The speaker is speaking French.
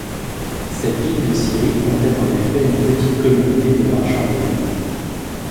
Cette ville de Syrie comptait en effet une petite communauté de marchands lyonnais.